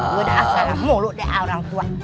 gue udah asal ngomong lo deh orang tua